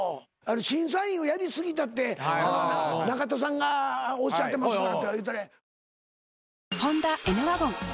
審査員をやり過ぎたって中田さんがおっしゃってますから。